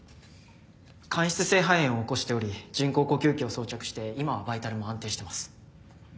間質性肺炎を起こしており人工呼吸器を装着して今はバイタルも安定してます。